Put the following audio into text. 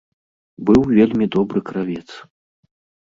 Быў вельмі добры кравец.